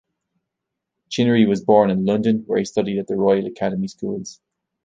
Chinnery was born in London, where he studied at the Royal Academy Schools.